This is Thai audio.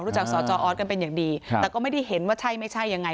จากสจออสกันเป็นอย่างดีแต่ก็ไม่ได้เห็นว่าใช่ไม่ใช่ยังไง